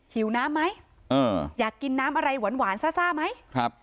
หิวน้ำไหมอยากกินน้ำอะไรหวานซ่าไหม